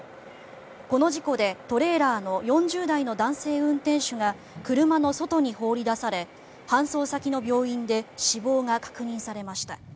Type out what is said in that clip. この事故でトレーラーの４０代の男性運転手が車の外に放り出され搬送先の病院で死亡が確認されました。